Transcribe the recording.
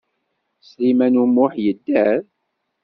Sliman U Muḥ yedder?